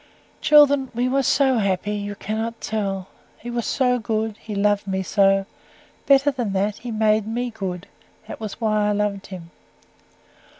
"Children, we were so happy, you cannot tell. He was so good; he loved me so. Better than that, he made me good; that was why I loved him.